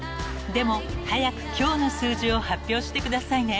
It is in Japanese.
［でも早く今日の数字を発表してくださいね］